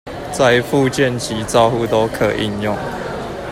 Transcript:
在復健及照護都可應用